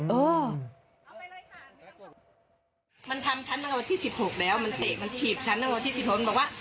ไปดันพ่อออกมา